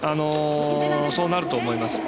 そうなると思います。